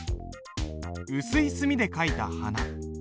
薄い墨で書いた「花」。